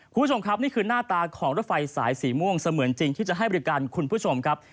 คุณผู้ชมครับนี่คือหน้าตาของรถไฟสายสีม่วงเสมือนจริงที่จะให้บริการคุณผู้ชมครับ